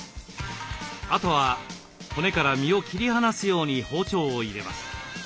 あとは骨から身を切り離すように包丁を入れます。